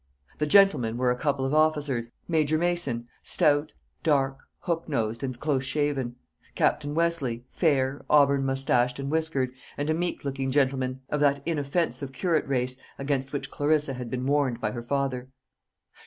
The gentlemen were a couple of officers Major Mason, stout, dark, hook nosed, and close shaven; Captain Westleigh, fair, auburn moustached and whiskered and a meek looking gentleman, of that inoffensive curate race, against which Clarissa had been warned by her father.